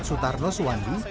di kedai kedai kedai